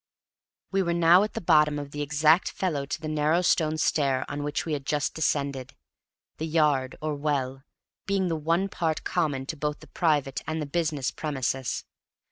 We were now at the bottom of the exact fellow to the narrow stone stair which we had just descended: the yard, or well, being the one part common to both the private and the business premises.